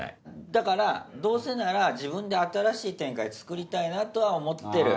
だからどうせなら自分で新しい展開つくりたいなとは思ってる。